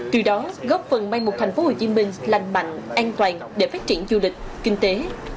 từ đó góp phần mang một thành phố hồ chí minh lành mạnh an toàn để phát triển du lịch kinh tế